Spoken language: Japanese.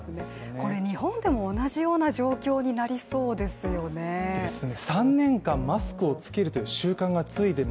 これ日本でも同じような状況になりそうですよね。